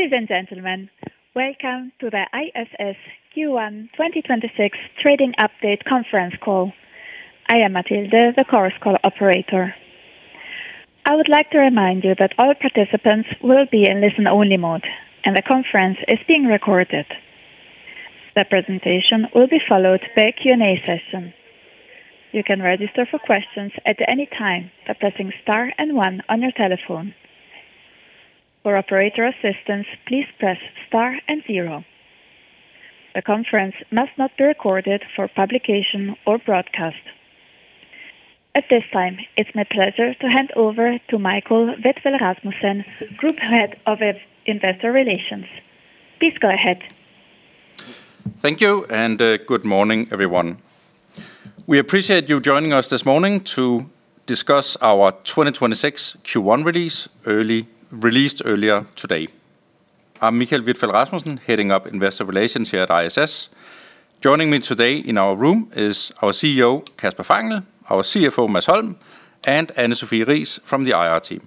Ladies and gentlemen, welcome to the ISS Q1 2026 Trading Update conference call. I am Matilde, the conference call operator. I would like to remind you that all participants will be in listen-only mode, and the conference is being recorded. The presentation will be followed by a Q&A session. You can register for questions at any time by pressing star and one on your telephone. For operator assistance, please press star and zero. The conference must not be recorded for publication or broadcast. At this time, it's my pleasure to hand over to Michael Vitfell-Rasmussen, Group Head of Investor Relations. Please go ahead. Thank you, and good morning, everyone. We appreciate you joining us this morning to discuss our 2026 Q1 release released earlier today. I'm Michael Vitfell-Rasmussen, heading up Investor Relations here at ISS. Joining me today in our room is our CEO, Kasper Fangel, our CFO, Mads Holm, and Anne Sophie Riis from the IR team.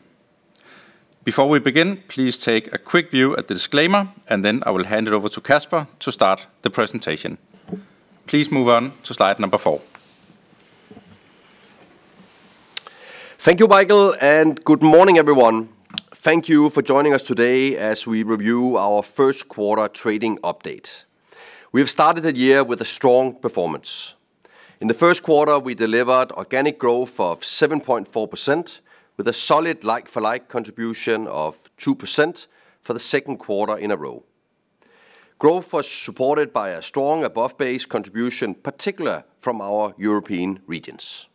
Before we begin, please take a quick view at the disclaimer, and then I will hand it over to Kasper to start the presentation. Please move on to slide number four. Thank you, Michael, good morning, everyone. Thank you for joining us today as we review our first quarter trading update. We have started the year with a strong performance. In the first quarter, we delivered organic growth of 7.4% with a solid like-for-like contribution of 2% for the second quarter in a row. Growth was supported by a strong above-base contribution, particular from our European regions.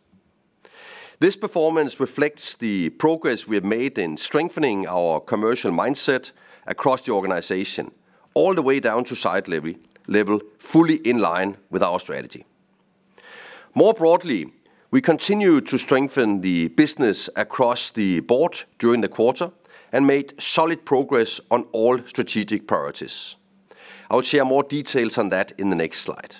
This performance reflects the progress we have made in strengthening our commercial mindset across the organization, all the way down to site level, fully in line with our strategy. We continue to strengthen the business across the board during the quarter and made solid progress on all strategic priorities. I will share more details on that in the next slide.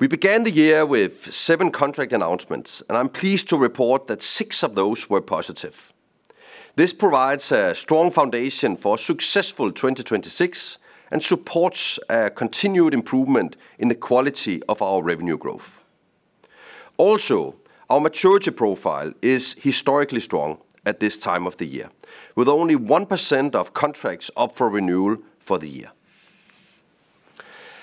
We began the year with seven contract announcements, and I'm pleased to report that six of those were positive. This provides a strong foundation for a successful 2026 and supports a continued improvement in the quality of our revenue growth. Our maturity profile is historically strong at this time of the year, with only 1% of contracts up for renewal for the year.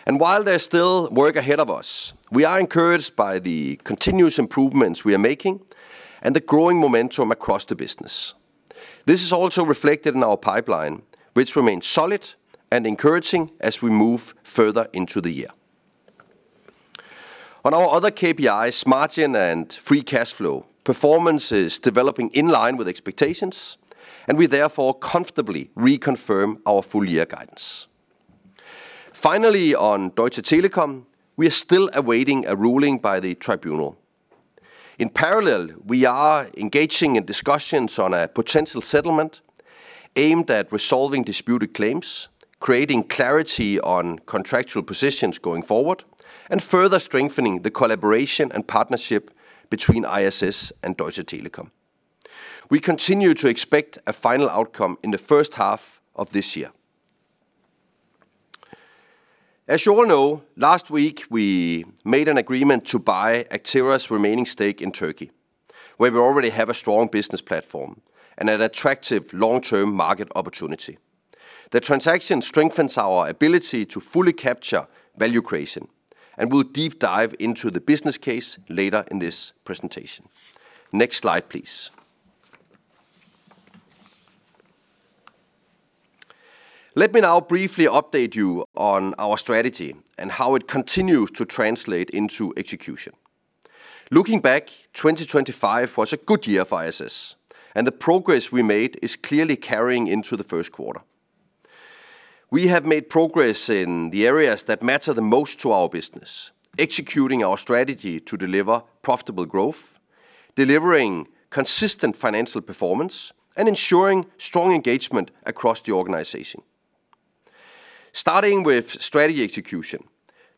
While there's still work ahead of us, we are encouraged by the continuous improvements we are making and the growing momentum across the business. This is also reflected in our pipeline, which remains solid and encouraging as we move further into the year. On our other KPIs, margin and free cash flow, performance is developing in line with expectations, and we therefore comfortably reconfirm our full-year guidance. Finally, on Deutsche Telekom, we are still awaiting a ruling by the tribunal. In parallel, we are engaging in discussions on a potential settlement aimed at resolving disputed claims, creating clarity on contractual positions going forward, and further strengthening the collaboration and partnership between ISS and Deutsche Telekom. We continue to expect a final outcome in the first half of this year. You all know, last week, we made an agreement to buy Actera's remaining stake in Türkiye, where we already have a strong business platform and an attractive long-term market opportunity. The transaction strengthens our ability to fully capture value creation, and we'll deep dive into the business case later in this presentation. Next slide, please. Let me now briefly update you on our strategy and how it continues to translate into execution. Looking back, 2025 was a good year for ISS, and the progress we made is clearly carrying into the first quarter. We have made progress in the areas that matter the most to our business, executing our strategy to deliver profitable growth, delivering consistent financial performance, and ensuring strong engagement across the organization. Starting with strategy execution,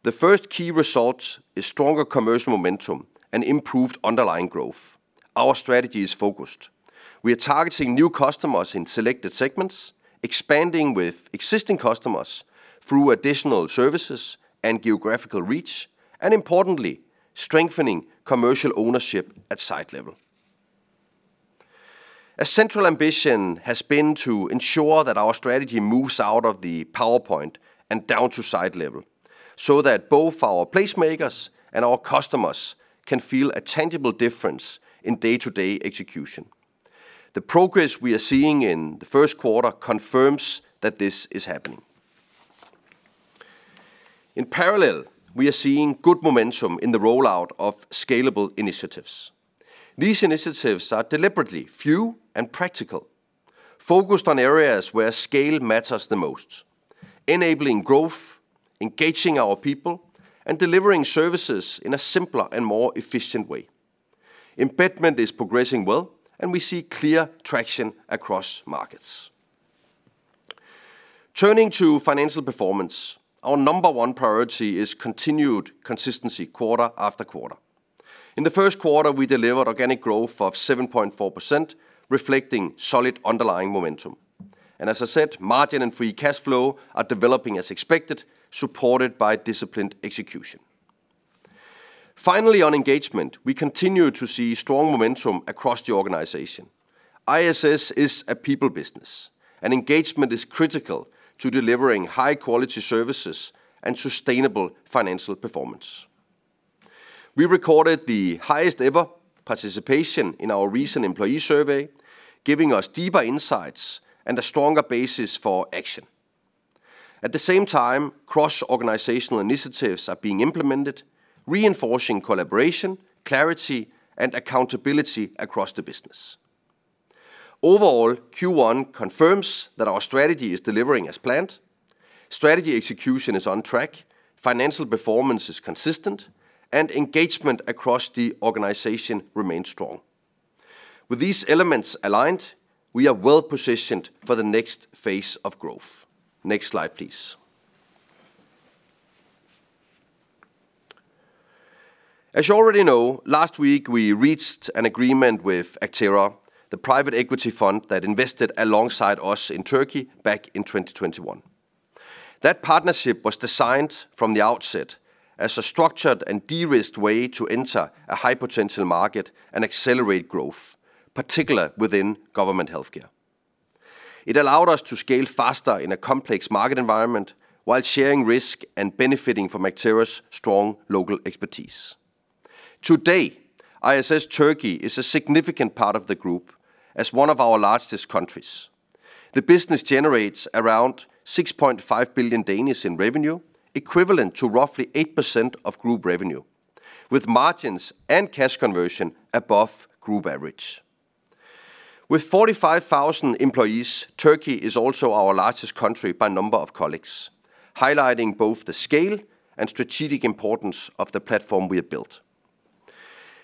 the first key result is stronger commercial momentum and improved underlying growth. Our strategy is focused. We are targeting new customers in selected segments, expanding with existing customers through additional services and geographical reach, and importantly, strengthening commercial ownership at site level. A central ambition has been to ensure that our strategy moves out of the PowerPoint and down to site level, so that both our placemakers and our customers can feel a tangible difference in day-to-day execution. The progress we are seeing in the first quarter confirms that this is happening. In parallel, we are seeing good momentum in the rollout of scalable initiatives. These initiatives are deliberately few and practical, focused on areas where scale matters the most, enabling growth, engaging our people, and delivering services in a simpler and more efficient way. Embedment is progressing well, and we see clear traction across markets. Turning to financial performance, our number one priority is continued consistency quarter-after-quarter. In the first quarter, we delivered organic growth of 7.4%, reflecting solid underlying momentum. As I said, margin and free cash flow are developing as expected, supported by disciplined execution. Finally, on engagement, we continue to see strong momentum across the organization. ISS is a people business, and engagement is critical to delivering high-quality services and sustainable financial performance. We recorded the highest ever participation in our recent employee survey, giving us deeper insights and a stronger basis for action. At the same time, cross-organizational initiatives are being implemented, reinforcing collaboration, clarity, and accountability across the business. Overall, Q1 confirms that our strategy is delivering as planned, strategy execution is on track, financial performance is consistent, and engagement across the organization remains strong. With these elements aligned, we are well-positioned for the next phase of growth. Next slide, please. As you already know, last week we reached an agreement with Actera, the Private Equity Fund that invested alongside us in Türkiye back in 2021. That partnership was designed from the outset as a structured and de-risked way to enter a high-potential market and accelerate growth, particularly within government healthcare. It allowed us to scale faster in a complex market environment while sharing risk and benefiting from Actera's strong local expertise. Today, ISS Türkiye is a significant part of the group as one of our largest countries. The business generates around 6.5 billion in revenue, equivalent to roughly 8% of group revenue, with margins and cash conversion above group average. With 45,000 employees, Türkiye is also our largest country by number of colleagues, highlighting both the scale and strategic importance of the platform we have built.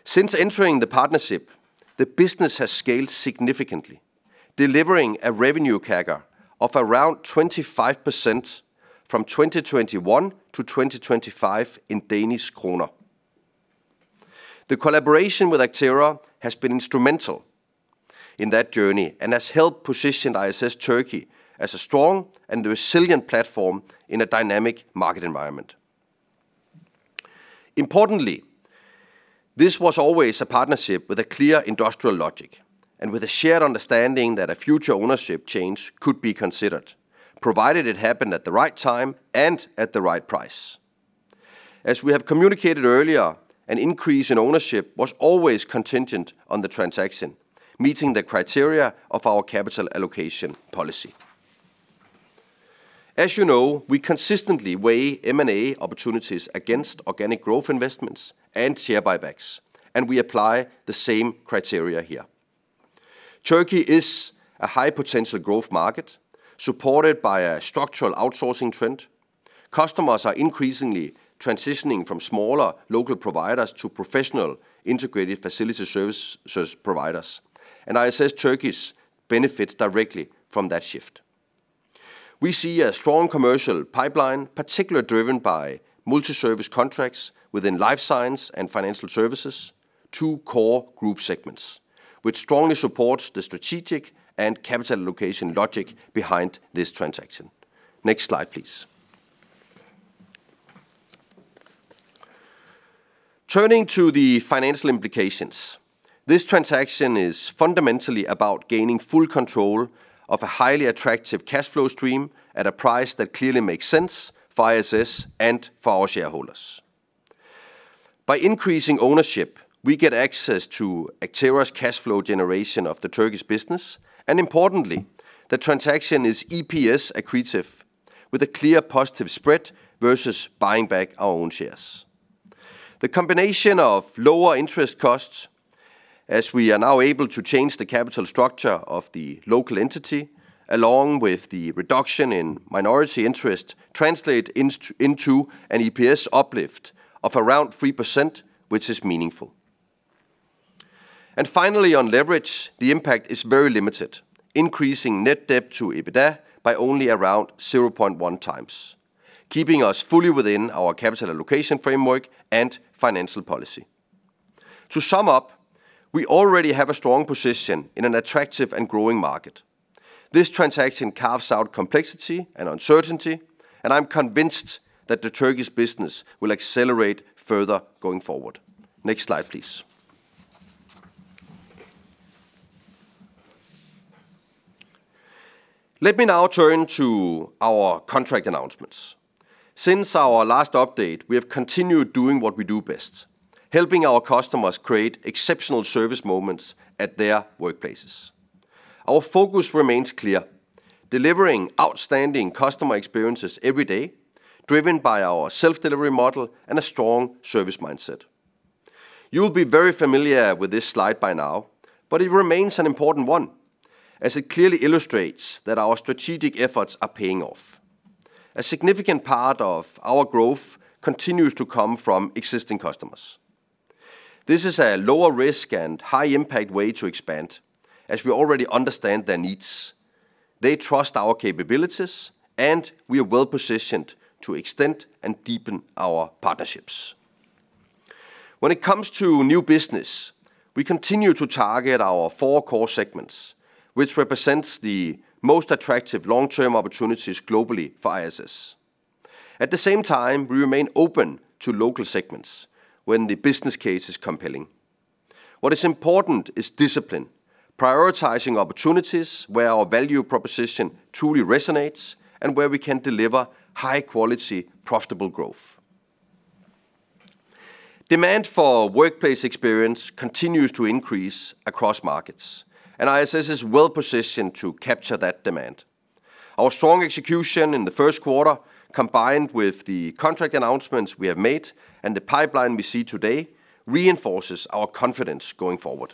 Since entering the partnership, the business has scaled significantly, delivering a revenue CAGR of around 25% from 2021 to 2025 in Danish Krone. The collaboration with Actera has been instrumental in that journey and has helped position ISS Türkiye as a strong and resilient platform in a dynamic market environment. Importantly, this was always a partnership with a clear industrial logic and with a shared understanding that a future ownership change could be considered, provided it happened at the right time and at the right price. As we have communicated earlier, an increase in ownership was always contingent on the transaction, meeting the criteria of our capital allocation policy. As you know, we consistently weigh M&A opportunities against organic growth investments and share buybacks. We apply the same criteria here. Türkiye is a high-potential growth market supported by a structural outsourcing trend. Customers are increasingly transitioning from smaller local providers to professional integrated facility services providers. ISS Türkiye benefits directly from that shift. We see a strong commercial pipeline, particularly driven by multi-service contracts within life science and financial services to core group segments, which strongly supports the strategic and capital allocation logic behind this transaction. Next slide, please. Turning to the financial implications, this transaction is fundamentally about gaining full control of a highly attractive cash flow stream at a price that clearly makes sense for ISS and for our shareholders. By increasing ownership, we get access to Actera's cash flow generation of the Turkish business. Importantly, the transaction is EPS accretive with a clear positive spread versus buying back our own shares. The combination of lower interest costs, as we are now able to change the capital structure of the local entity along with the reduction in minority interest, translate into an EPS uplift of around 3%, which is meaningful. Finally, on leverage, the impact is very limited, increasing net debt to EBITDA by only around 0.1x, keeping us fully within our capital allocation framework and financial policy. To sum up, we already have a strong position in an attractive and growing market. This transaction carves out complexity and uncertainty. I'm convinced that the Turkish business will accelerate further going forward. Next slide, please. Let me now turn to our contract announcements. Since our last update, we have continued doing what we do best, helping our customers create exceptional service moments at their workplaces. Our focus remains clear, delivering outstanding customer experiences every day, driven by our self-delivery model and a strong service mindset. You'll be very familiar with this slide by now, but it remains an important one, as it clearly illustrates that our strategic efforts are paying off. A significant part of our growth continues to come from existing customers. This is a lower risk and high impact way to expand, as we already understand their needs. They trust our capabilities, and we are well-positioned to extend and deepen our partnerships. When it comes to new business, we continue to target our four core segments, which represents the most attractive long-term opportunities globally for ISS. At the same time, we remain open to local segments when the business case is compelling. What is important is discipline, prioritizing opportunities where our value proposition truly resonates and where we can deliver high-quality, profitable growth. Demand for workplace experience continues to increase across markets. ISS is well-positioned to capture that demand. Our strong execution in the first quarter, combined with the contract announcements we have made and the pipeline we see today, reinforces our confidence going forward.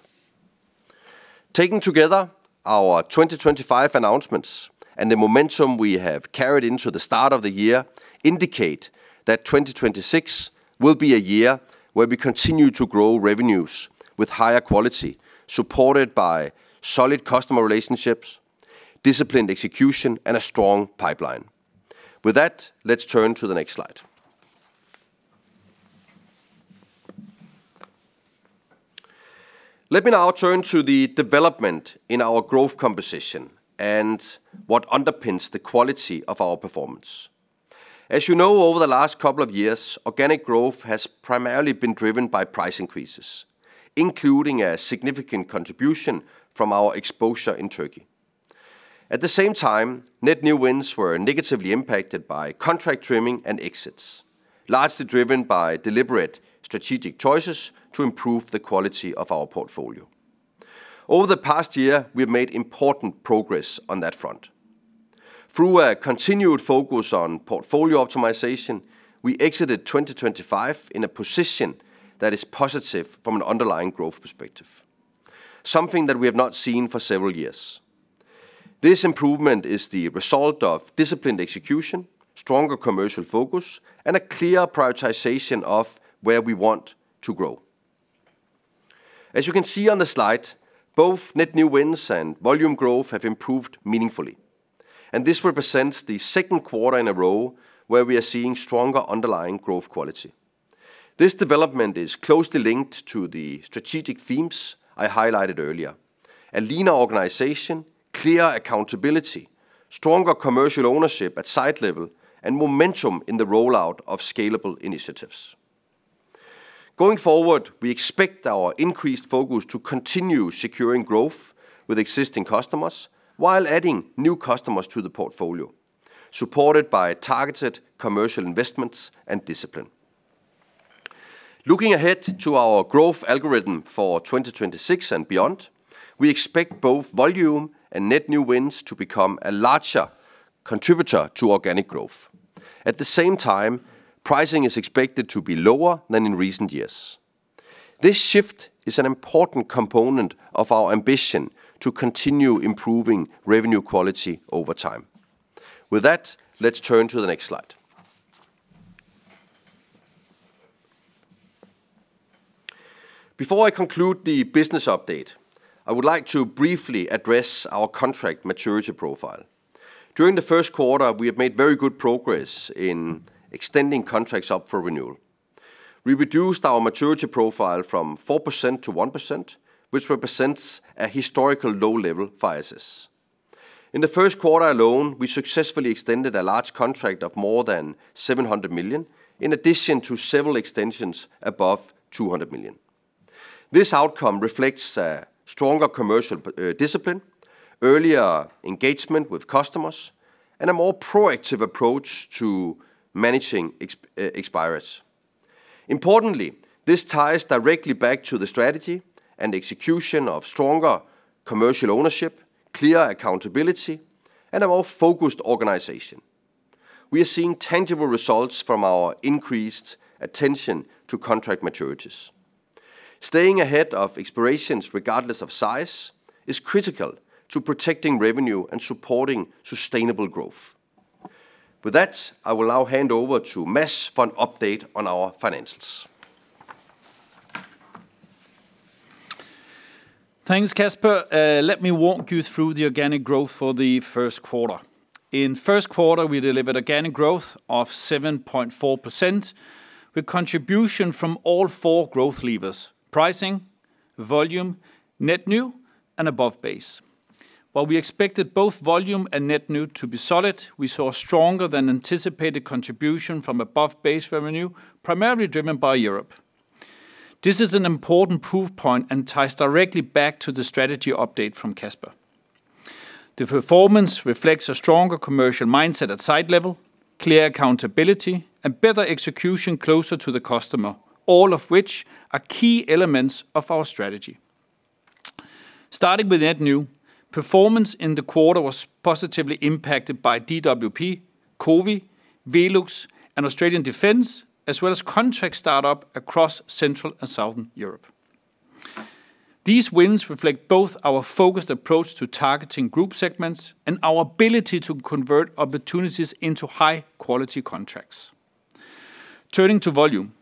Taking together our 2025 announcements and the momentum we have carried into the start of the year indicate that 2026 will be a year where we continue to grow revenues with higher quality, supported by solid customer relationships, disciplined execution, and a strong pipeline. With that, let's turn to the next slide. Let me now turn to the development in our growth composition and what underpins the quality of our performance. As you know, over the last couple of years, organic growth has primarily been driven by price increases, including a significant contribution from our exposure in Türkiye. At the same time, net new wins were negatively impacted by contract trimming and exits, largely driven by deliberate strategic choices to improve the quality of our portfolio. Over the past year, we have made important progress on that front. Through a continued focus on portfolio optimization, we exited 2025 in a position that is positive from an underlying growth perspective, something that we have not seen for several years. This improvement is the result of disciplined execution, stronger commercial focus, and a clear prioritization of where we want to grow. As you can see on the slide, both net new wins and volume growth have improved meaningfully, and this represents the second quarter in a row where we are seeing stronger underlying growth quality. This development is closely linked to the strategic themes I highlighted earlier. A leaner organization, clear accountability, stronger commercial ownership at site level, and momentum in the rollout of scalable initiatives. Going forward, we expect our increased focus to continue securing growth with existing customers while adding new customers to the portfolio, supported by targeted commercial investments and discipline. Looking ahead to our growth algorithm for 2026 and beyond, we expect both volume and net new wins to become a larger contributor to organic growth. At the same time, pricing is expected to be lower than in recent years. This shift is an important component of our ambition to continue improving revenue quality over time. With that, let's turn to the next slide. Before I conclude the business update, I would like to briefly address our contract maturity profile. During the first quarter, we have made very good progress in extending contracts up for renewal. We reduced our maturity profile from 4%-1%, which represents a historical low level for ISS. In the first quarter alone, we successfully extended a large contract of more than 700 million, in addition to several extensions above 200 million. This outcome reflects a stronger commercial discipline, earlier engagement with customers, and a more proactive approach to managing expires. Importantly, this ties directly back to the strategy and execution of stronger commercial ownership, clear accountability, and a more focused organization. We are seeing tangible results from our increased attention to contract maturities. Staying ahead of expirations regardless of size is critical to protecting revenue and supporting sustainable growth. With that, I will now hand over to Mads for an update on our financials. Thanks, Kasper. Let me walk you through the organic growth for the first quarter. In first quarter, we delivered organic growth of 7.4% with contribution from all four growth levers: pricing, volume, net new, and above base. While we expected both volume and net new to be solid, we saw stronger than anticipated contribution from above base revenue, primarily driven by Europe. This is an important proof point and ties directly back to the strategy update from Kasper. The performance reflects a stronger commercial mindset at site level, clear accountability, and better execution closer to the customer, all of which are key elements of our strategy. Starting with net new, performance in the quarter was positively impacted by DWP, Covéa, Velux, and Australian Defence, as well as contract startup across Central and Southern Europe. These wins reflect both our focused approach to targeting group segments and our ability to convert opportunities into high-quality contracts. Turning to volume,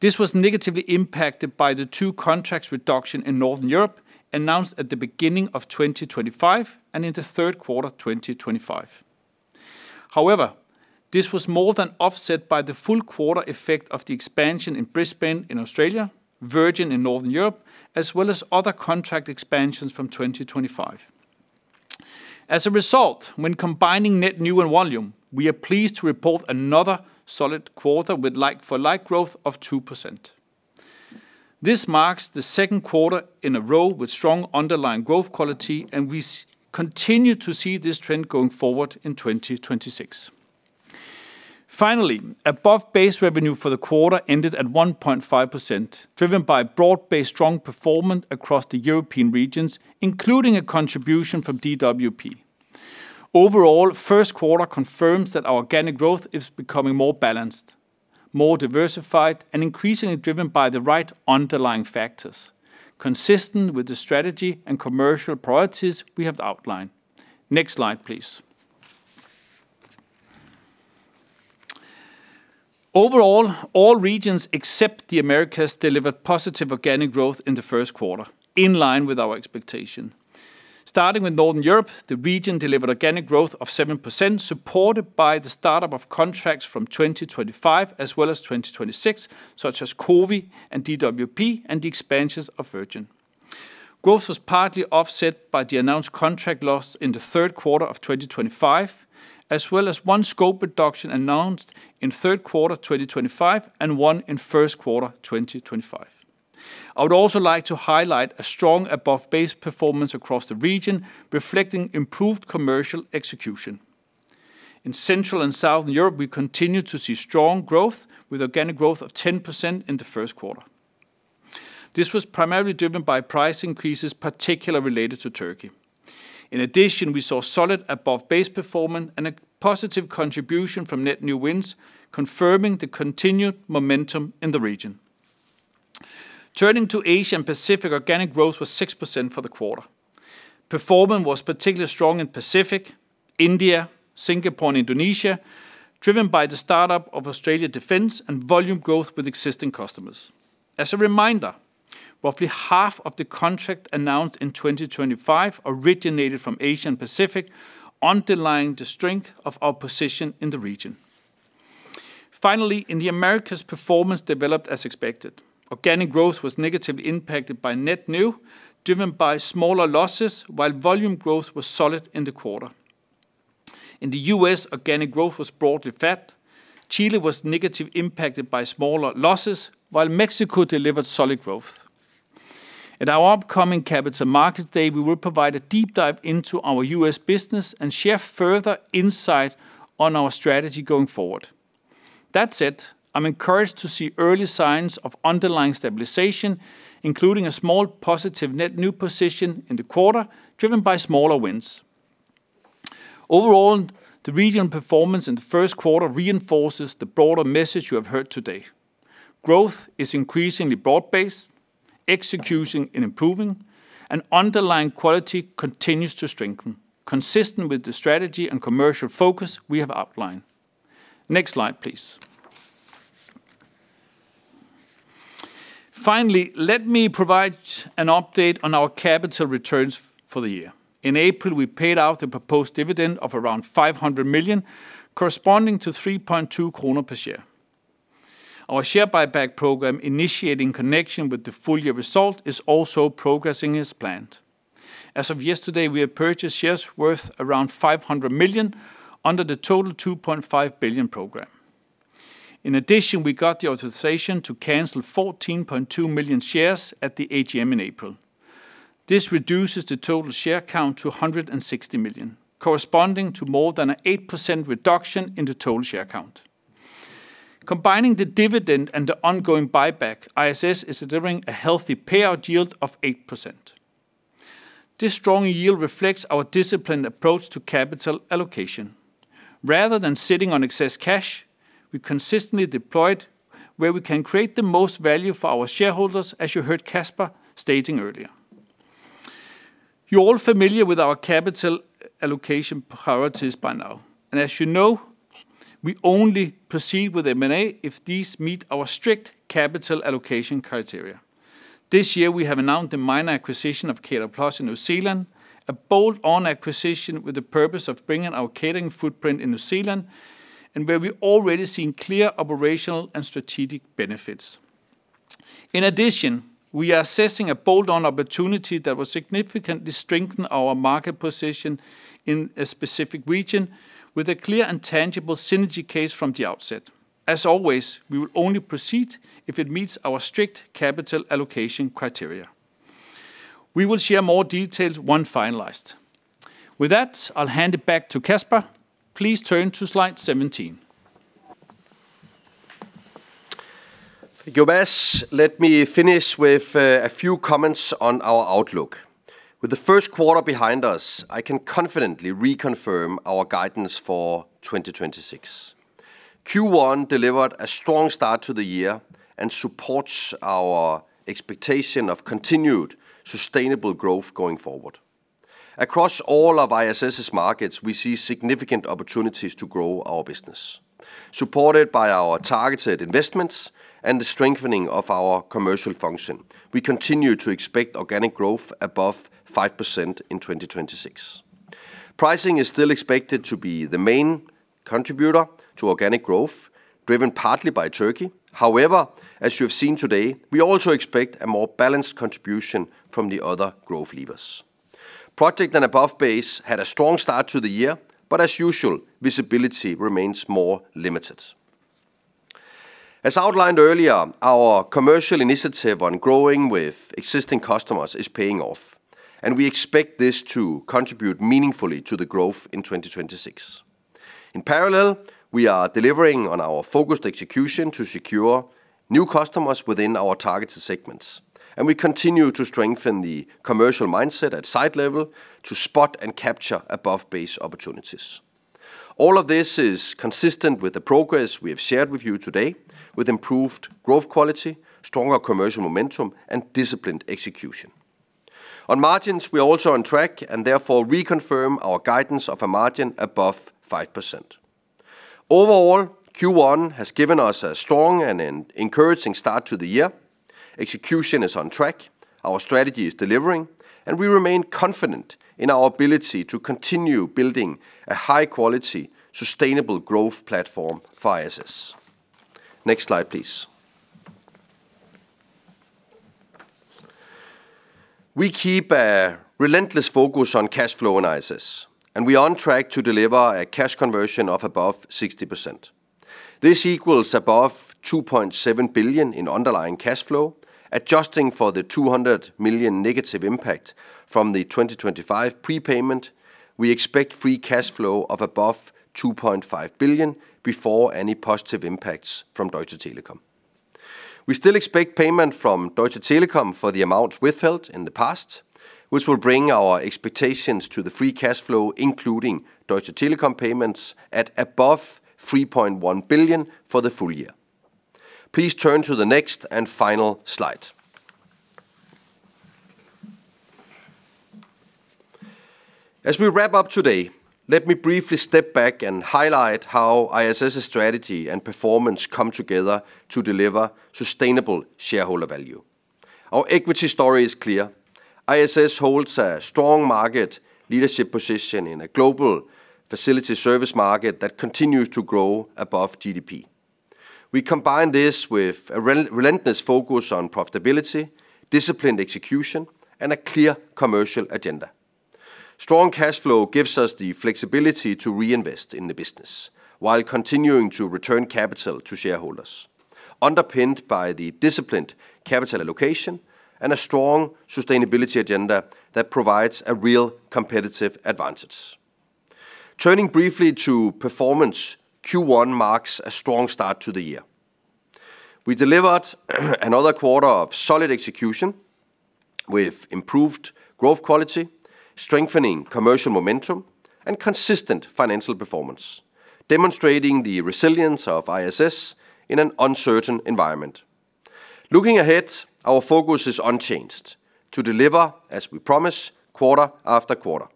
this was negatively impacted by the two contracts reduction in Northern Europe announced at the beginning of 2025 and in the third quarter 2025. However, this was more than offset by the full quarter effect of the expansion in Brisbane in Australia, Virgin in Northern Europe, as well as other contract expansions from 2025. As a result, when combining net new and volume, we are pleased to report another solid quarter with like-for-like growth of 2%. This marks the second quarter in a row with strong underlying growth quality. We continue to see this trend going forward in 2026. Finally, above-base revenue for the quarter ended at 1.5%, driven by broad-based strong performance across the European regions, including a contribution from DWP. Overall, first quarter confirms that our organic growth is becoming more balanced, more diversified, and increasingly driven by the right underlying factors, consistent with the strategy and commercial priorities we have outlined. Next slide, please. Overall, all regions except the Americas delivered positive organic growth in the first quarter, in line with our expectation. Starting with Northern Europe, the region delivered organic growth of 7%, supported by the startup of contracts from 2025 as well as 2026, such as Covéa and DWP and the expansions of Virgin. Growth was partly offset by the announced contract loss in the third quarter of 2025, as well as one scope reduction announced in third quarter 2025 and one in first quarter 2025. I would also like to highlight a strong above-base performance across the region, reflecting improved commercial execution. In Central and Southern Europe, we continue to see strong growth with organic growth of 10% in the first quarter. This was primarily driven by price increases, particularly related to Türkiye. In addition, we saw solid above-base performance and a positive contribution from net new wins, confirming the continued momentum in the region. Turning to Asia-Pacific, organic growth was 6% for the quarter. Performance was particularly strong in Pacific, India, Singapore, and Indonesia, driven by the startup of Australia Defence and volume growth with existing customers. As a reminder, roughly half of the contract announced in 2025 originated from Asia-Pacific, underlying the strength of our position in the region. In the Americas, performance developed as expected. Organic growth was negatively impacted by net new, driven by smaller losses, while volume growth was solid in the quarter. In the U.S., organic growth was broadly flat. Chile was negatively impacted by smaller losses, while Mexico delivered solid growth. At our upcoming Capital Markets Day, we will provide a deep dive into our U.S. business and share further insight on our strategy going forward. That said, I'm encouraged to see early signs of underlying stabilization, including a small positive net new position in the quarter, driven by smaller wins. The regional performance in the first quarter reinforces the broader message you have heard today. Growth is increasingly broad-based, execution is improving, and underlying quality continues to strengthen, consistent with the strategy and commercial focus we have outlined. Next slide, please. Finally, let me provide an update on our capital returns for the year. In April, we paid out the proposed dividend of around 500 million, corresponding to 3.2 kroner per share. Our share buyback program initiating connection with the full-year result is also progressing as planned. As of yesterday, we have purchased shares worth around 500 million under the total 2.5 billion program. In addition, we got the authorization to cancel 14.2 million shares at the AGM in April. This reduces the total share count to 160 million, corresponding to more than an 8% reduction in the total share count. Combining the dividend and the ongoing buyback, ISS is delivering a healthy payout yield of 8%. This strong yield reflects our disciplined approach to capital allocation. Rather than sitting on excess cash, we consistently deployed where we can create the most value for our shareholders, as you heard Kasper stating earlier. You're all familiar with our capital allocation priorities by now. As you know, we only proceed with M&A if these meet our strict capital allocation criteria. This year, we have announced a minor acquisition of Cater Plus in New Zealand, a bolt-on acquisition with the purpose of bringing our catering footprint in New Zealand and where we're already seeing clear operational and strategic benefits. In addition, we are assessing a bolt-on opportunity that will significantly strengthen our market position in a specific region with a clear and tangible synergy case from the outset. As always, we will only proceed if it meets our strict capital allocation criteria. We will share more details when finalized. With that, I'll hand it back to Kasper. Please turn to slide 17. Thank you, Mads. Let me finish with a few comments on our outlook. With the first quarter behind us, I can confidently reconfirm our guidance for 2026. Q1 delivered a strong start to the year and supports our expectation of continued sustainable growth going forward. Across all of ISS's markets, we see significant opportunities to grow our business. Supported by our targeted investments and the strengthening of our commercial function, we continue to expect organic growth above 5% in 2026. Pricing is still expected to be the main contributor to organic growth, driven partly by Türkiye. However, as you have seen today, we also expect a more balanced contribution from the other growth levers. Project and above base had a strong start to the year, as usual, visibility remains more limited. As outlined earlier, our commercial initiative on growing with existing customers is paying off. We expect this to contribute meaningfully to the growth in 2026. In parallel, we are delivering on our focused execution to secure new customers within our targeted segments. We continue to strengthen the commercial mindset at site level to spot and capture above-base opportunities. All of this is consistent with the progress we have shared with you today, with improved growth quality, stronger commercial momentum, and disciplined execution. On margins, we are also on track. Therefore reconfirm our guidance of a margin above 5%. Overall, Q1 has given us a strong and encouraging start to the year. Execution is on track, our strategy is delivering. We remain confident in our ability to continue building a high-quality, sustainable growth platform for ISS. Next slide, please. We keep a relentless focus on cash flow in ISS, and we are on track to deliver a cash conversion of above 60%. This equals above 2.7 billion in underlying cash flow. Adjusting for the 200 million negative impact from the 2025 prepayment, we expect free cash flow of above 2.5 billion before any positive impacts from Deutsche Telekom. We still expect payment from Deutsche Telekom for the amount withheld in the past, which will bring our expectations to the free cash flow, including Deutsche Telekom payments at above 3.1 billion for the full year. Please turn to the next and final slide. As we wrap up today, let me briefly step back and highlight how ISS's strategy and performance come together to deliver sustainable shareholder value. Our equity story is clear. ISS holds a strong market leadership position in a global facility service market that continues to grow above GDP. We combine this with a relentless focus on profitability, disciplined execution, and a clear commercial agenda. Strong cash flow gives us the flexibility to reinvest in the business while continuing to return capital to shareholders, underpinned by the disciplined capital allocation and a strong sustainability agenda that provides a real competitive advantage. Turning briefly to performance, Q1 marks a strong start to the year. We delivered another quarter of solid execution with improved growth quality, strengthening commercial momentum, and consistent financial performance, demonstrating the resilience of ISS in an uncertain environment. Looking ahead, our focus is unchanged: to deliver as we promise quarter-after-quarter.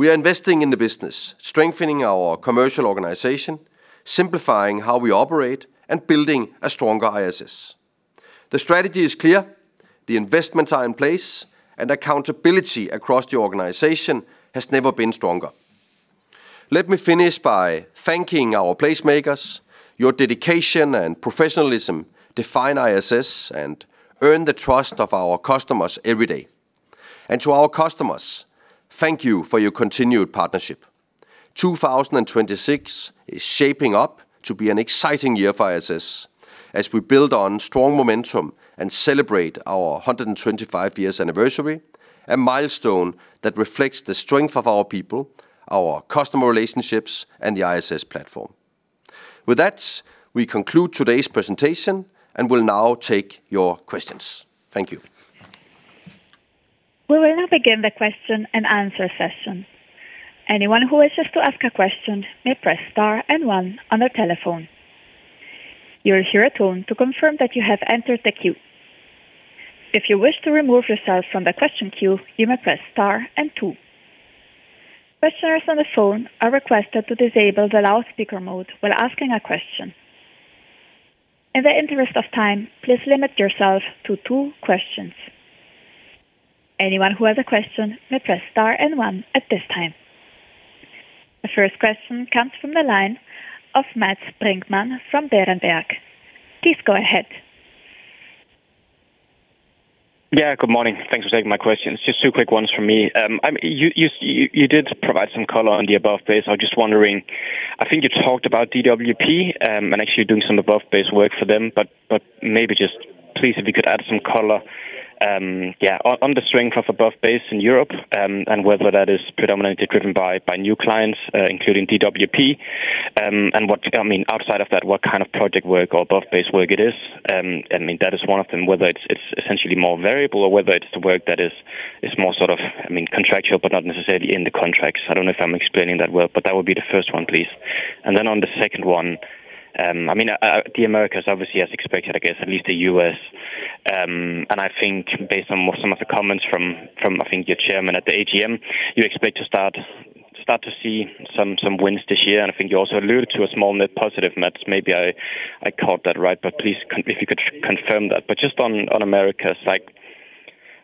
We are investing in the business, strengthening our commercial organization, simplifying how we operate, and building a stronger ISS. The strategy is clear, the investments are in place, and accountability across the organization has never been stronger. Let me finish by thanking our placemakers. Your dedication and professionalism define ISS and earn the trust of our customers every day. To our customers, thank you for your continued partnership. 2026 is shaping up to be an exciting year for ISS as we build on strong momentum and celebrate our 125 years anniversary, a milestone that reflects the strength of our people, our customer relationships, and the ISS platform. With that, we conclude today's presentation and will now take your questions. Thank you. We will now begin the question-and-answer session. Anyone who wishes to ask a question may press star and one on their telephone. You will hear a tone to confirm that you have entered the queue. If you wish to remove yourself from the question queue, you may press star and two. Questioners on the phone are requested to disable the loudspeaker mode while asking a question. In the interest of time, please limit yourself to two questions. Anyone who has a question may press star and one at this time. The first question comes from the line of Matt Springman from Berenberg. Please go ahead. Good morning. Thanks for taking my questions. Just two quick ones from me. I mean, you did provide some color on the above base. I was just wondering, I think you talked about DWP, and actually doing some above-base work for them, but maybe just please, if you could add some color on the strength of above base in Europe, and whether that is predominantly driven by new clients, including DWP, and what, I mean, outside of that, what kind of project work or above-base work it is? I mean, that is one of them. Whether it's essentially more variable or whether it's the work that is more sort of, I mean, contractual, but not necessarily in the contracts. I don't know if I'm explaining that well, but that would be the first one, please. On the second one, I mean, the Americas obviously as expected, I guess at least the U.S. I think based on what some of the comments from I think your Chairman at the AGM, you expect to start to see some wins this year. I think you also alluded to a small net positive. Maybe I caught that right, but please if you could confirm that. Just on Americas, like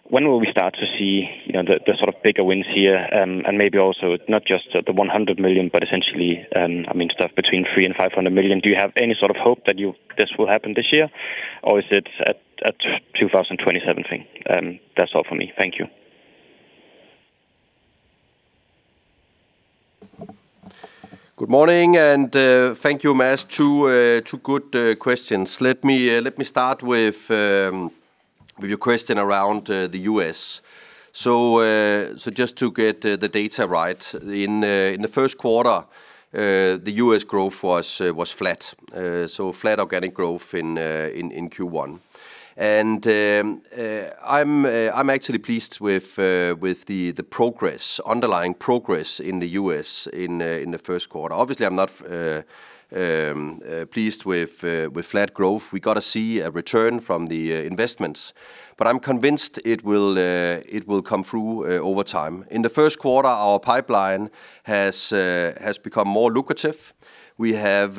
when will we start to see, you know, the sort of bigger wins here, maybe also not just the 100 million, but essentially, I mean, stuff between 300 million-500 million. Do you have any sort of hope that you think this will happen this year or is it a 2027 thing? That's all for me. Thank you. Good morning, and thank you, Matt. Two good questions. Let me start with your question around the U.S. Just to get the data right. In the first quarter, the U.S. growth was flat. Flat organic growth in Q1. I'm actually pleased with the progress, underlying progress in the U.S. in the first quarter. Obviously, I'm not pleased with flat growth. We gotta see a return from the investments, but I'm convinced it will come through over time. In the first quarter, our pipeline has become more lucrative. We have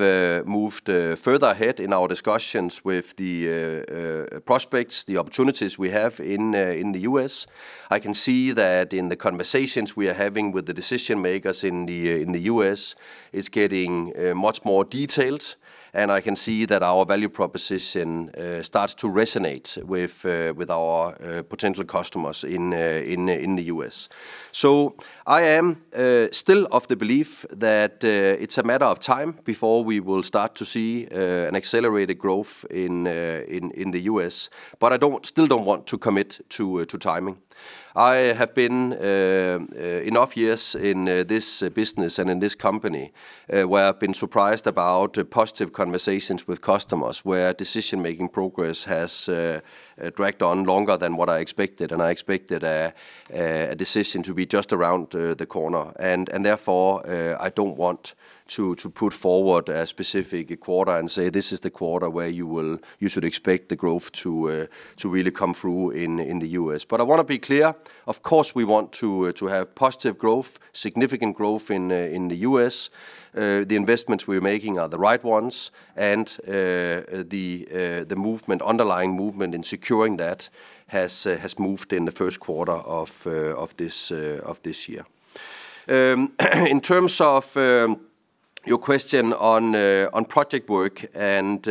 moved further ahead in our discussions with the prospects, the opportunities we have in the U.S. I can see that in the conversations we are having with the decision makers in the U.S., it's getting much more detailed, and I can see that our value proposition starts to resonate with with our potential customers in the U.S. I am still of the belief that it's a matter of time before we will start to see an accelerated growth in the U.S. I still don't want to commit to timing. I have been enough years in this business and in this company, where I've been surprised about positive conversations with customers, where decision-making progress has dragged on longer than what I expected, and I expected a decision to be just around the corner. Therefore, I don't want to put forward a specific quarter and say, "This is the quarter where you will you should expect the growth to really come through in the U.S." I wanna be clear, of course, we want to have positive growth, significant growth in the U.S. The investments we're making are the right ones, and the movement, underlying movement in securing that has moved in the first quarter of this year. In terms of your question on project work and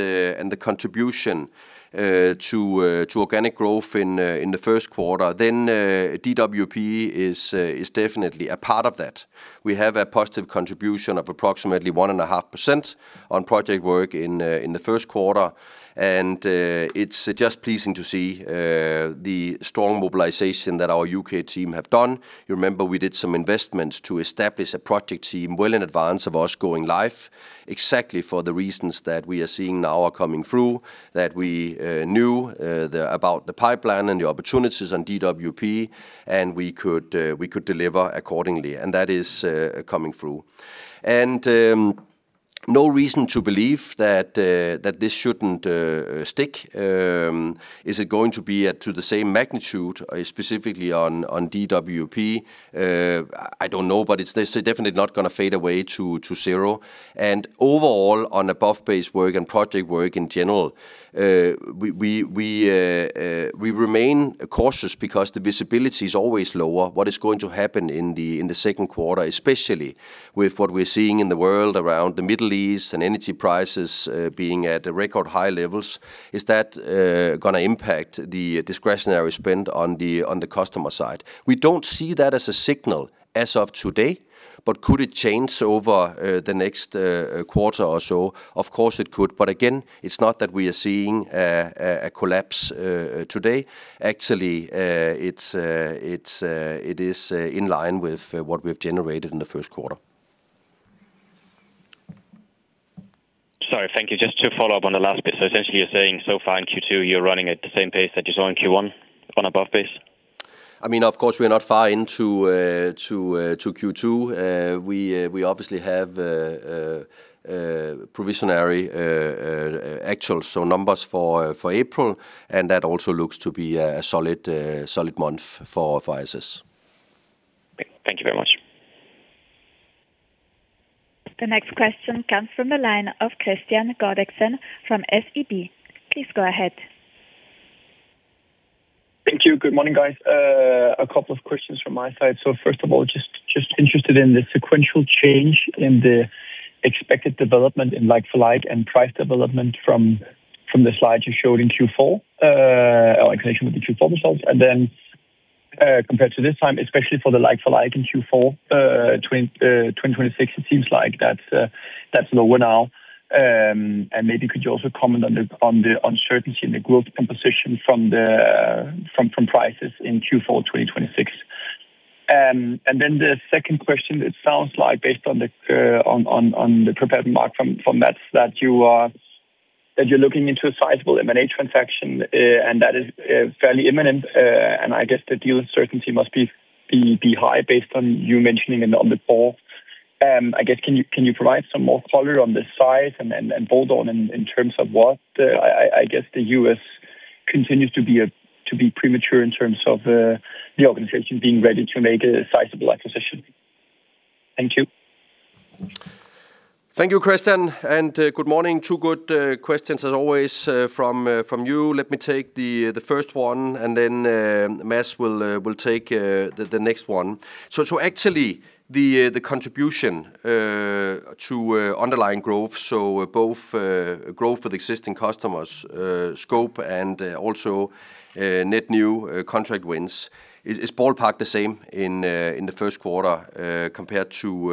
the contribution to organic growth in the first quarter, DWP is definitely a part of that. We have a positive contribution of approximately 1.5% on project work in the first quarter. It's just pleasing to see the strong mobilization that our U.K. team have done. You remember we did some investments to establish a project team well in advance of us going live, exactly for the reasons that we are seeing now are coming through, that we knew about the pipeline and the opportunities on DWP, and we could deliver accordingly. That is coming through. No reason to believe that this shouldn't stick. Is it going to be at, to the same magnitude, specifically on DWP? I don't know, but it's definitely not gonna fade away to zero. Overall, on above-base work and project work in general, we remain cautious because the visibility is always lower. What is going to happen in the second quarter, especially with what we're seeing in the world around the Middle East and energy prices, being at record high levels, is that gonna impact the discretionary spend on the customer side? We don't see that as a signal as of today, but could it change over the next quarter or so? Of course, it could. Again, it's not that we are seeing a collapse today. Actually, it is in line with what we've generated in the first quarter. Sorry. Thank you. Just to follow up on the last bit. Essentially you're saying so far in Q2, you're running at the same pace that you saw in Q1 on above base? I mean, of course, we are not far into to Q2. We obviously have provisionary actuals, so numbers for April. That also looks to be a solid month for ISS. Thank you very much. The next question comes from the line of Kristian Godiksen from SEB. Please go ahead. Thank you. Good morning, guys. A couple of questions from my side. First of all, just interested in the sequential change in the expected development in like-for-like and price development from the slide you showed in Q4 or in connection with the Q4 results. Compared to this time, especially for the like-for-like in Q4 2026, it seems like that's lower now. Maybe could you also comment on the uncertainty in the growth composition from prices in Q4 2026. The second question, it sounds like based on the prepared mark from Mads that you're looking into a sizable M&A transaction, and that is fairly imminent. I guess the deal uncertainty must be high based on you mentioning it on the call. I guess can you provide some more color on the size and bold on in terms of what I guess the U.S. continues to be premature in terms of the organization being ready to make a sizable acquisition. Thank you. Thank you, Kristian. Good morning. Two good questions as always from you. Let me take the first one, then Mads will take the next one. Actually the contribution to underlying growth, so both growth with existing customers, scope and also net new contract wins is ballpark the same in the first quarter compared to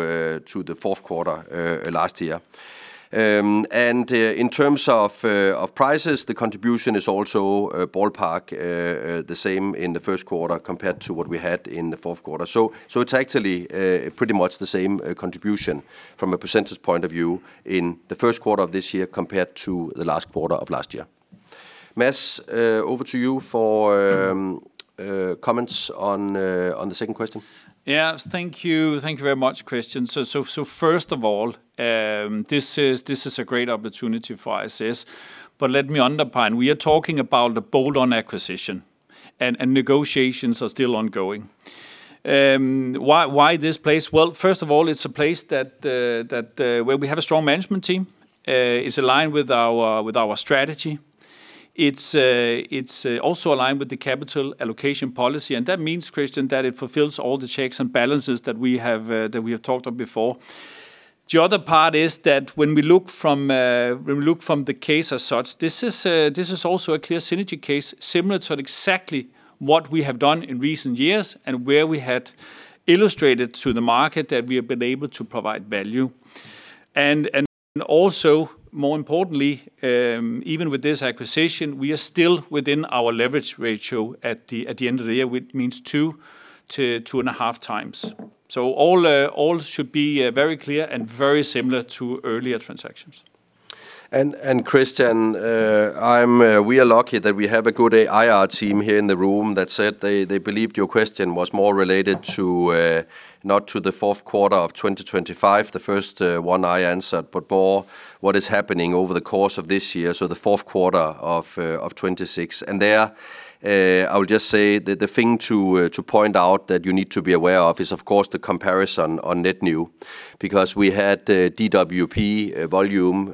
the fourth quarter last year. In terms of prices, the contribution is also ballpark the same in the first quarter compared to what we had in the fourth quarter. It's actually pretty much the same contribution from a percentage point of view in the first quarter of this year compared to the last quarter of last year. Mads, over to you for comments on the second question. Thank you. Thank you very much, Kristian. First of all, this is a great opportunity for ISS, but let me underpin. We are talking about the bolt-on acquisition and negotiations are still ongoing. Why this place? Well, first of all, it's a place that where we have a strong management team is aligned with our strategy. It's also aligned with the capital allocation policy, and that means, Kristian, that it fulfills all the checks and balances that we have that we have talked of before. The other part is that when we look from the case as such, this is also a clear synergy case similar to exactly what we have done in recent years and where we had illustrated to the market that we have been able to provide value. Also more importantly, even with this acquisition, we are still within our leverage ratio at the end of the year, which means 2x-2.5x. All should be very clear and very similar to earlier transactions. Kristian, I'm, we are lucky that we have a good IR team here in the room that said they believed your question was more related to, not to the fourth quarter of 2025, the first one I answered, but more what is happening over the course of this year, so the fourth quarter of 2026. There, I would just say the thing to point out that you need to be aware of is of course the comparison on net new because we had DWP volume,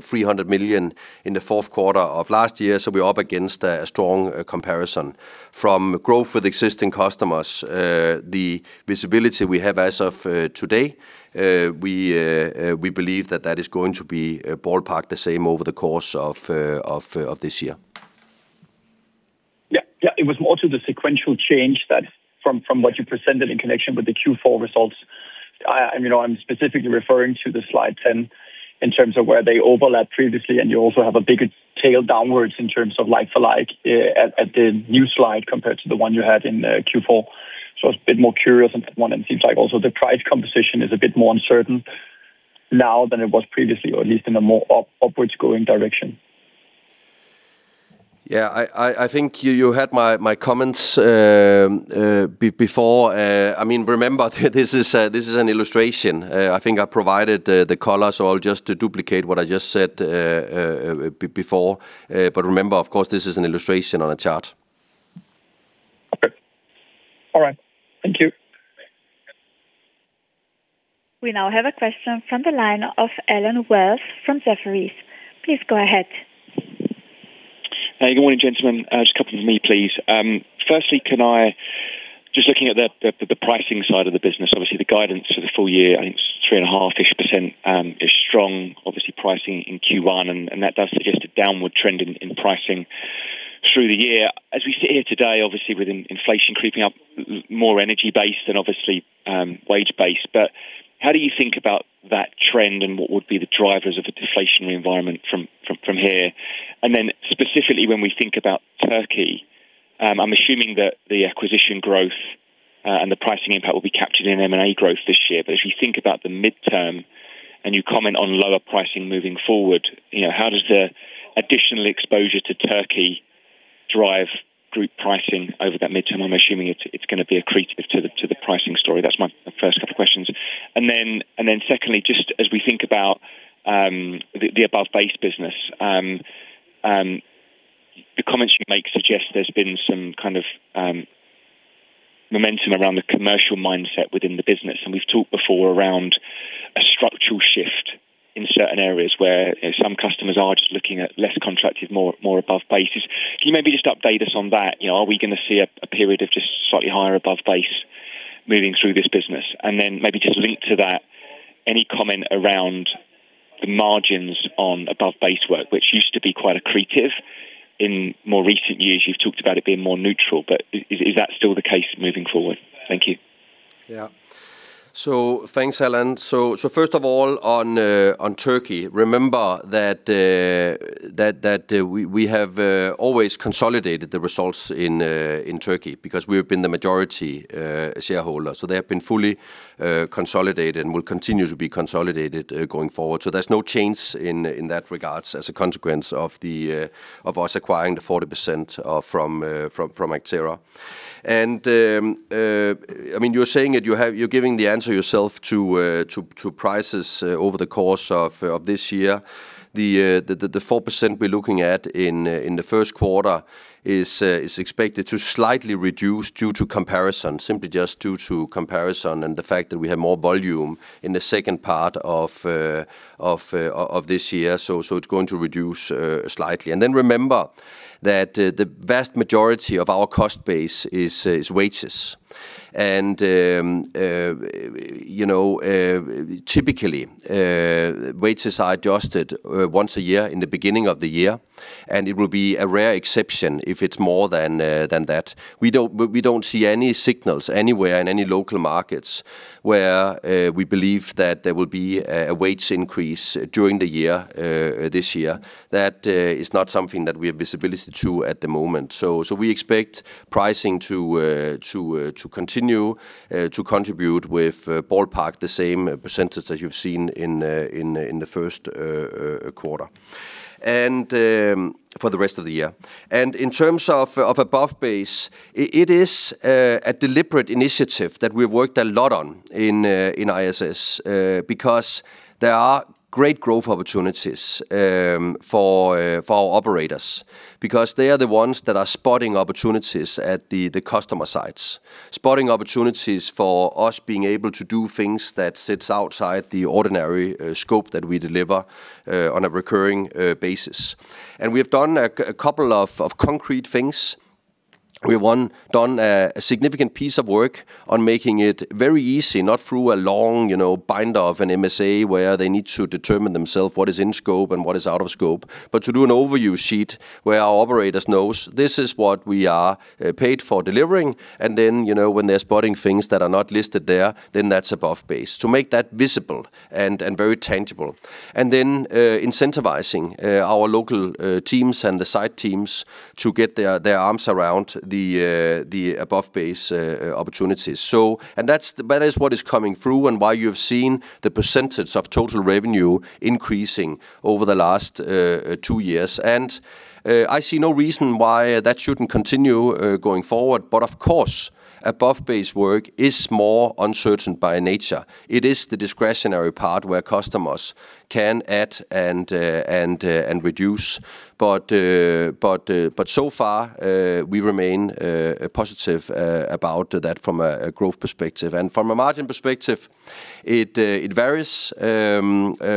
300 million in the fourth quarter of last year. We're up against a strong comparison. From growth with existing customers, the visibility we have as of today, we believe that that is going to be ballpark the same over the course of this year. Yeah. Yeah. It was more to the sequential change that from what you presented in connection with the Q4 results. I, you know, I'm specifically referring to the slide 10 in terms of where they overlapped previously, and you also have a bigger tail downwards in terms of like for like at the new slide compared to the one you had in Q4. I was a bit more curious on that one, and it seems like also the price composition is a bit more uncertain now than it was previously, or at least in a more upwards going direction. Yeah. I think you had my comments before. I mean, remember this is an illustration. I think I provided the colors all just to duplicate what I just said before. Remember, of course, this is an illustration on a chart. Okay. All right. Thank you. We now have a question from the line of Allen Wells from Jefferies. Please go ahead. Good morning, gentlemen. Just a couple from me, please. Firstly, just looking at the pricing side of the business, obviously the guidance for the full year, I think it's 3.5-ish% is strong. Obviously pricing in Q1, and that does suggest a downward trend in pricing through the year. As we sit here today, obviously with inflation creeping up more energy-based and obviously wage-based. How do you think about that trend and what would be the drivers of a deflationary environment from here? Specifically when we think about Türkiye, I'm assuming that the acquisition growth and the pricing impact will be captured in M&A growth this year. If you think about the midterm and you comment on lower pricing moving forward, you know, how does the additional exposure to Türkiye drive group pricing over that midterm? I'm assuming it's going to be accretive to the pricing story. That's my first couple questions. Secondly, just as we think about the above-base business, the comments you make suggest there's been some kind of momentum around the commercial mindset within the business. We've talked before around a structural shift in certain areas where, you know, some customers are just looking at less contracted, more above bases. Can you maybe just update us on that? You know, are we gonna see a period of just slightly higher above base moving through this business? Then maybe just linked to that, any comment around the margins on above-base work, which used to be quite accretive. In more recent years you've talked about it being more neutral, but is that still the case moving forward? Thank you. Thanks, Allen. First of all on Türkiye, remember that we have always consolidated the results in Türkiye because we have been the majority shareholder. They have been fully consolidated and will continue to be consolidated going forward. There's no change in that regards as a consequence of us acquiring the 40% from Actera. I mean, you're saying it, you're giving the answer yourself to prices over the course of this year. The 4% we're looking at in the first quarter is expected to slightly reduce due to comparison. Simply just due to comparison and the fact that we have more volume in the second part of this year. It's going to reduce slightly. Remember that the vast majority of our cost base is wages. You know, typically, wages are adjusted once a year in the beginning of the year, and it will be a rare exception if it's more than that. We don't see any signals anywhere in any local markets where we believe that there will be a wage increase during the year this year. That is not something that we have visibility to at the moment. So we expect pricing to continue to contribute with ballpark the same percentage that you've seen in the first quarter for the rest of the year. In terms of above base, it is a deliberate initiative that we've worked a lot on in ISS. Because there are great growth opportunities for our operators. Because they are the ones that are spotting opportunities at the customer sites. Spotting opportunities for us being able to do things that sits outside the ordinary scope that we deliver on a recurring basis. We have done a couple of concrete things. We've, one, done a significant piece of work on making it very easy, not through a long, you know, binder of an MSA, where they need to determine themselves what is in scope and what is out of scope. To do an overview sheet where our operators knows this is what we are paid for delivering and then, you know, when they're spotting things that are not listed there, then that's above base. To make that visible and very tangible. That's, that is what is coming through and why you've seen the percentage of total revenue increasing over the last two years. I see no reason why that shouldn't continue going forward. Of course, above base work is more uncertain by nature. It is the discretionary part where customers can add and and and reduce. So far, we remain positive about that from a growth perspective. From a margin perspective, it varies.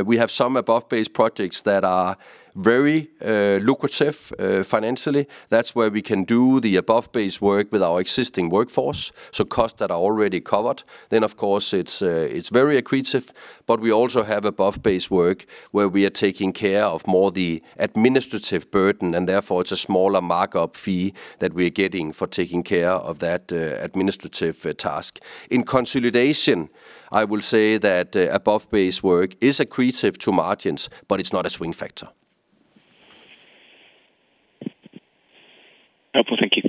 We have some above base projects that are very lucrative financially. That's where we can do the above base work with our existing workforce, so costs that are already covered. Of course, it's very accretive, but we also have above base work where we are taking care of more the administrative burden, and therefore it's a smaller markup fee that we're getting for taking care of that administrative task. In consolidation, I will say that above base work is accretive to margins, but it is not a swing factor. Helpful. Thank you.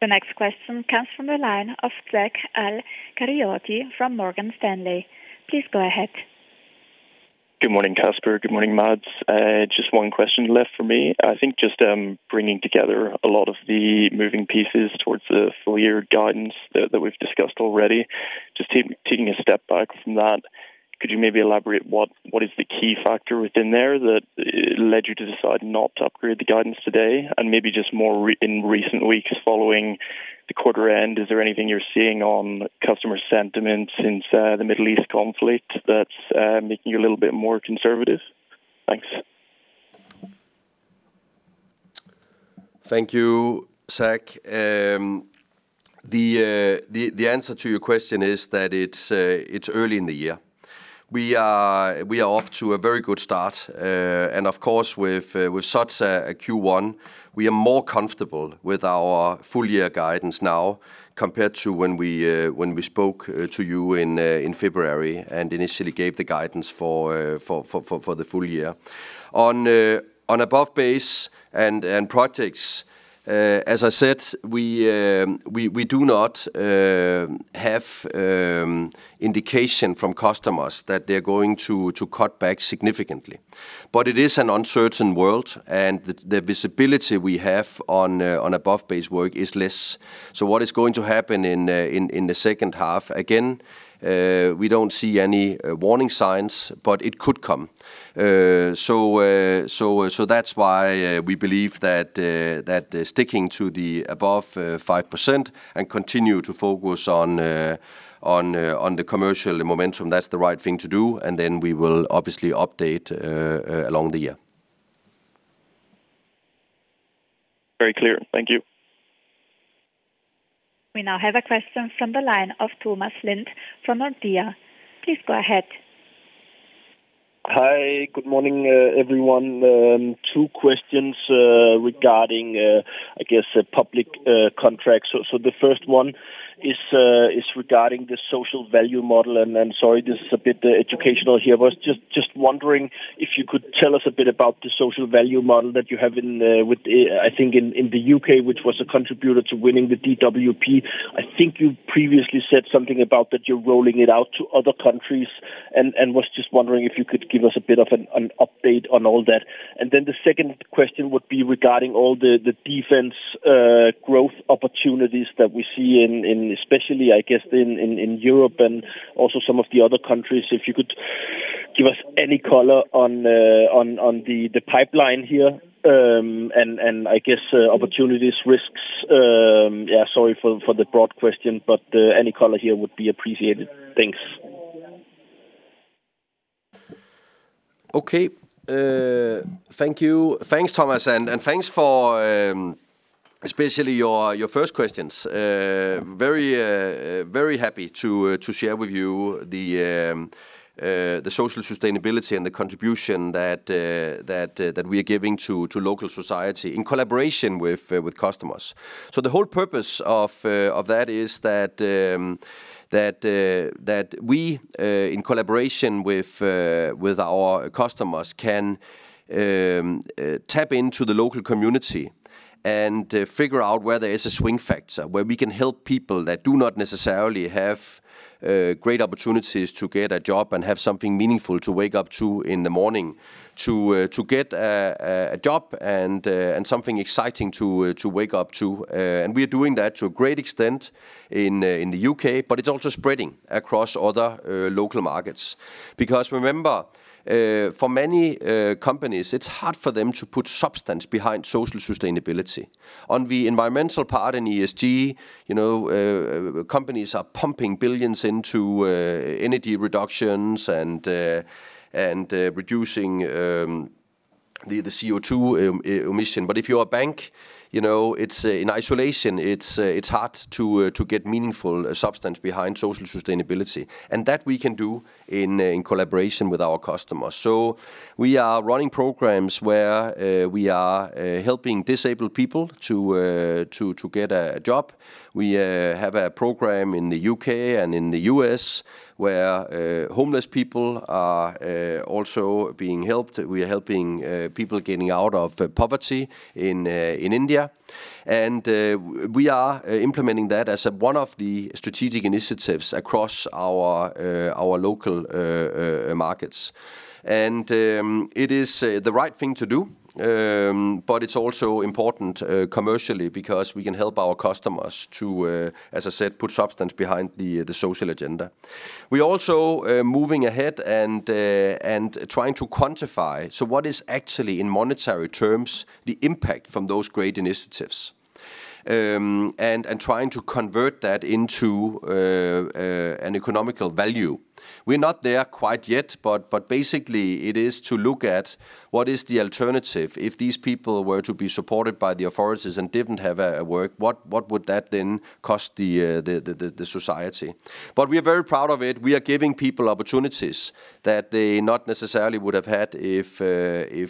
The next question comes from the line of Zach Al-Qaryooti from Morgan Stanley. Please go ahead. Good morning, Kasper. Good morning, Mads. Just one question left for me. I think just bringing together a lot of the moving pieces towards the full year guidance that we've discussed already. Just taking a step back from that, could you maybe elaborate what is the key factor within there that led you to decide not to upgrade the guidance today? Maybe just more in recent weeks following the quarter end, is there anything you're seeing on customer sentiment since the Middle East conflict that's making you a little bit more conservative? Thanks. Thank you, Zach. The answer to your question is that it's early in the year. We are off to a very good start. Of course, with such a Q1, we are more comfortable with our full year guidance now compared to when we spoke to you in February and initially gave the guidance for the full year. On above base and projects, as I said, we do not have indication from customers that they're going to cut back significantly. It is an uncertain world, and the visibility we have on above base work is less. What is going to happen in the second half? Again, we don't see any warning signs, but it could come. So that's why we believe that sticking to the above 5% and continue to focus on the commercial momentum, that's the right thing to do. Then we will obviously update along the year. Very clear. Thank you. We now have a question from the line of Thomas Lind from Nordea. Please go ahead. Hi. Good morning, everyone. Two questions regarding, I guess, public contracts. The first one is regarding the social value model. Sorry, this is a bit educational here. Was just wondering if you could tell us a bit about the social value model that you have in with, I think in the U.K., which was a contributor to winning the DWP. I think you previously said something about that you're rolling it out to other countries and was just wondering if you could give us a bit of an update on all that. The second question would be regarding all the defense growth opportunities that we see in especially I guess in Europe and also some of the other countries. If you could give us any color on the pipeline here, and I guess, opportunities, risks. Yeah, sorry for the broad question, but any color here would be appreciated. Thanks. Okay. Thank you. Thanks, Thomas, and thanks for especially your first questions. Very happy to share with you the social sustainability and the contribution that we are giving to local society in collaboration with customers. The whole purpose of that is that we in collaboration with our customers can tap into the local community and figure out where there is a swing factor. Where we can help people that do not necessarily have great opportunities to get a job and have something meaningful to wake up to in the morning. To get a job and something exciting to wake up to. We are doing that to a great extent in the U.K., but it's also spreading across other local markets. Remember, for many companies, it's hard for them to put substance behind social sustainability. On the environmental part in ESG, you know, companies are pumping billions into energy reductions and reducing the CO2 emission. If you're a bank, you know, it's in isolation, it's hard to get meaningful substance behind social sustainability. That we can do in collaboration with our customers. We are running programs where we are helping disabled people to get a job. We have a program in the U.K. and in the U.S. where homeless people are also being helped. We are helping people getting out of poverty in India. We are implementing that as one of the strategic initiatives across our local markets. It is the right thing to do. It is also important commercially because we can help our customers to, as I said, put substance behind the social agenda. We also moving ahead and trying to quantify so what is actually in monetary terms the impact from those great initiatives. Trying to convert that into an economical value. We're not there quite yet, but basically it is to look at what is the alternative. If these people were to be supported by the authorities and didn't have a work, what would that then cost the society? We are very proud of it. We are giving people opportunities that they not necessarily would have had if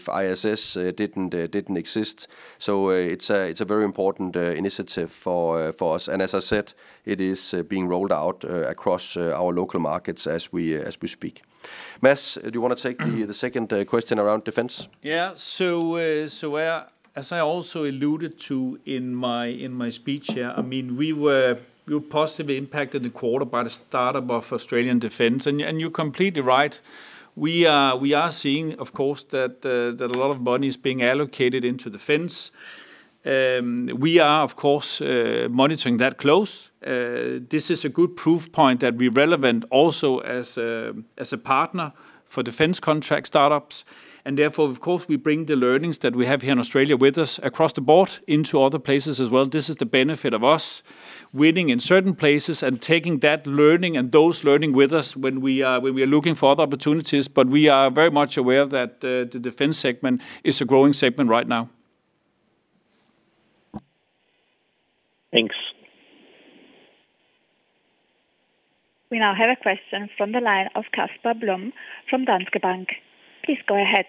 ISS didn't exist. It's a very important initiative for us. As I said, it is being rolled out across our local markets as we speak. Mads, do you wanna take the second question around defense? Yeah. As I also alluded to in my speech here, I mean, we were positively impacted the quarter by the startup of Australian Defense. You're completely right. We are seeing, of course, that a lot of money is being allocated into defense. We are of course monitoring that close. This is a good proof point that we relevant also as a partner for defense contract startups. Therefore, of course, we bring the learnings that we have here in Australia with us across the board into other places as well. This is the benefit of us winning in certain places and taking that learning and those learning with us when we are looking for other opportunities. We are very much aware that the defense segment is a growing segment right now. Thanks. We now have a question from the line of Casper Blom from Danske Bank. Please go ahead.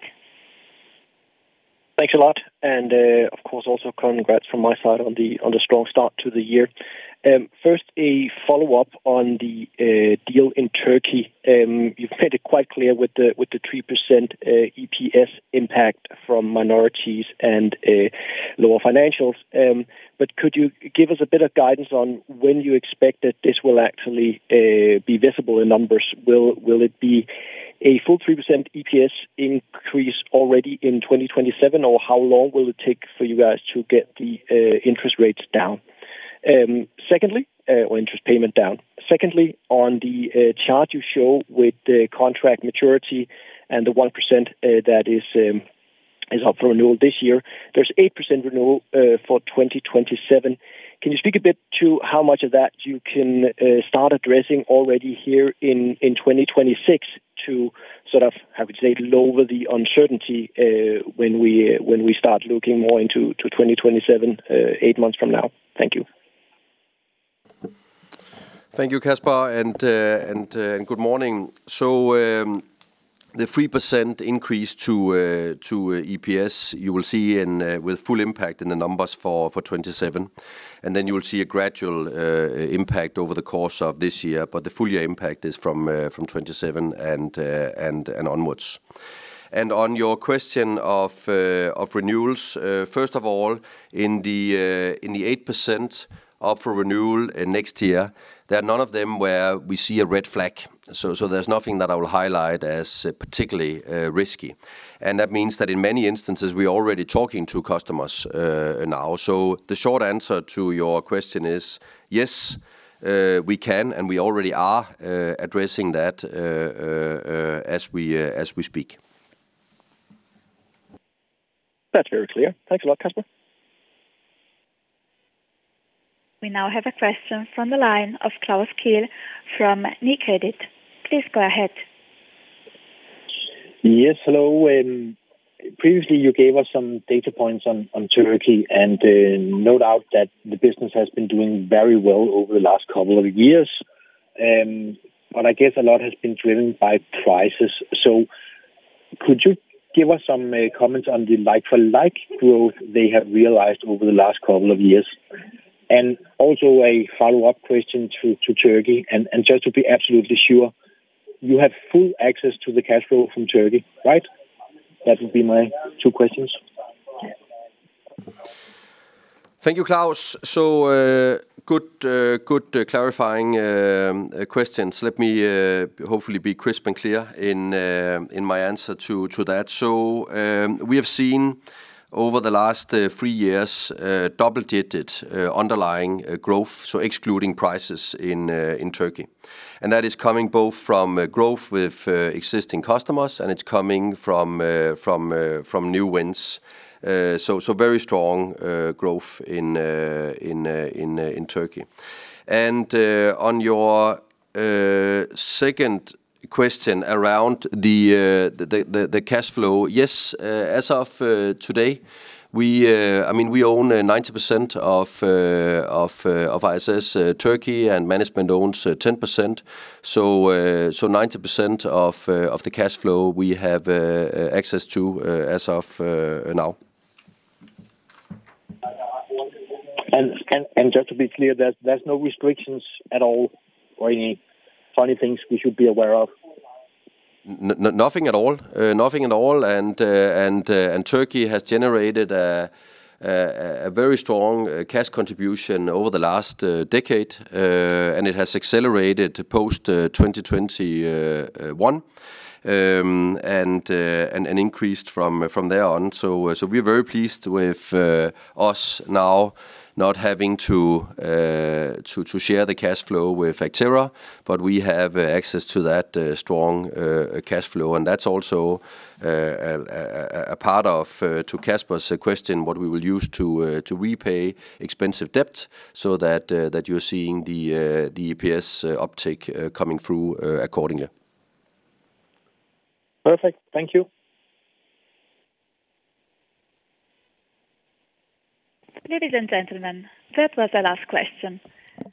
Thanks a lot, of course also congrats from my side on the strong start to the year. First a follow-up on the deal in Türkiye. You've made it quite clear with the 3% EPS impact from minorities and lower financials. Could you give us a bit of guidance on when you expect that this will actually be visible in numbers? Will it be a full 3% EPS increase already in 2027? How long will it take for you guys to get the interest rates down? Secondly, or interest payment down. Secondly, on the chart you show with the contract maturity and the 1% that is up for renewal this year. There's 8% renewal for 2027. Can you speak a bit to how much of that you can start addressing already here in 2026 to sort of, how would you say, lower the uncertainty, when we start looking more into 2027, eight months from now? Thank you. Thank you, Casper, good morning. The 3% increase to EPS, you will see with full impact in the numbers for 2027. You will see a gradual impact over the course of this year, but the full year impact is from 2027 and onwards. On your question of renewals, first of all, in the 8% up for renewal next year, there are none of them where we see a red flag. There's nothing that I will highlight as particularly risky. That means that in many instances we're already talking to customers now. The short answer to your question is, yes, we can and we already are addressing that as we speak. That's very clear. Thanks a lot, Kasper. We now have a question from the line of Klaus Kehl from Nykredit. Please go ahead. Yes. Hello. Previously you gave us some data points on Türkiye, no doubt that the business has been doing very well over the last couple of years. I guess a lot has been driven by prices. Could you give us some comments on the like-for-like growth they have realized over the last couple of years? Also a follow-up question to Türkiye, just to be absolutely sure, you have full access to the cash flow from Türkiye, right? That would be my two questions. Thank you, Klaus. Good clarifying questions. Let me hopefully be crisp and clear in my answer to that. We have seen over the last three years, double-digits underlying growth, so excluding prices in Türkiye. That is coming both from growth with existing customers, and it's coming from new wins. So very strong growth in Türkiye. On your second question around the cash flow. Yes, as of today, we, I mean, we own 90% of ISS Türkiye, and management owns 10%. 90% of the cash flow we have access to as of now. Just to be clear, there's no restrictions at all or any funny things we should be aware of? Nothing at all. Nothing at all. Türkiye has generated a very strong cash contribution over the last decade. It has accelerated post 2021 and increased from there on. We're very pleased with us now not having to share the cash flow with Actera, but we have access to that strong cash flow. That's also a part of to Casper's question, what we will use to repay expensive debt so that you're seeing the EPS uptake coming through accordingly. Perfect. Thank you. Ladies and gentlemen, that was the last question.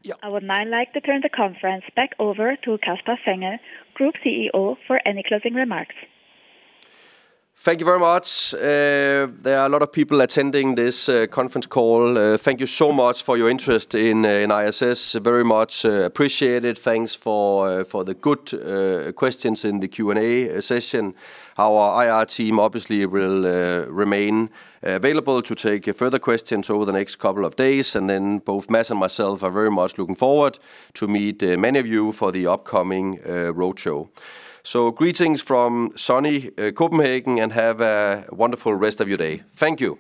Yeah. I would now like to turn the conference back over to Kasper Fangel, Group CEO, for any closing remarks. Thank you very much. There are a lot of people attending this conference call. Thank you so much for your interest in ISS. Very much appreciated. Thanks for the good questions in the Q&A session. Our IR team obviously will remain available to take further questions over the next couple of days. Then both Mads and myself are very much looking forward to meet many of you for the upcoming roadshow. Greetings from sunny Copenhagen, have a wonderful rest of your day. Thank you.